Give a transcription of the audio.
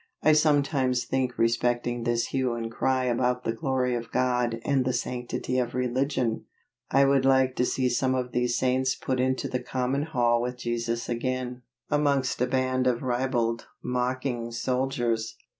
I sometimes think respecting this hue and cry about the glory of God and the sanctity of religion, I would like to see some of these saints put into the common hall with Jesus again, amongst a band of ribald, mocking, soldiers.